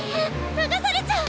ながされちゃう！